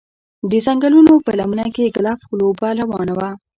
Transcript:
د ځنګلونو په لمنه کې ګلف لوبه روانه وه